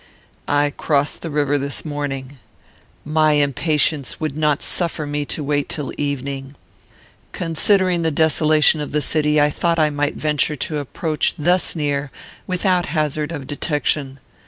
"I crossed the river this morning. My impatience would not suffer me to wait till evening. Considering the desolation of the city, I thought I might venture to approach thus near, without hazard of detection.